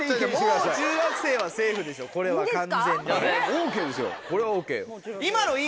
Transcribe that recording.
ＯＫですよ。